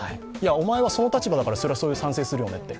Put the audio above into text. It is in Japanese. お前はその立場だからそれは賛成するよねって。